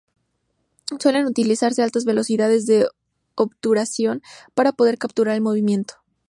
Suelen utilizarse altas velocidades de obturación para poder capturar el movimiento.